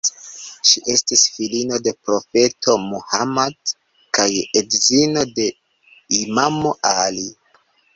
Ŝi estis filino de profeto Mohammad kaj edzino de imamo Ali.